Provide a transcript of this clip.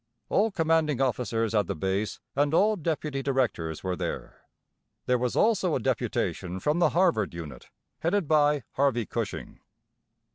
All Commanding Officers at the Base, and all Deputy Directors were there. There was also a deputation from the Harvard Unit headed by Harvey Cushing.